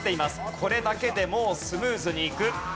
これだけでもうスムーズにいく。